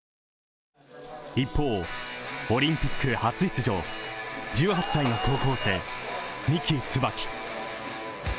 一方、オリンピック初出場、１８歳の高校生三木つばき。